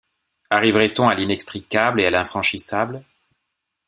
Arriverait-on à l’inextricable et à l’infranchissable?